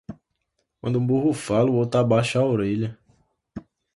Quando um burro fala, o outro abaixa a orelha.